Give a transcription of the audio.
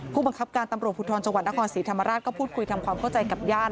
ผู้บังคับการตำรวจภูทรจังหวัดนครศรีธรรมราชก็พูดคุยทำความเข้าใจกับญาติ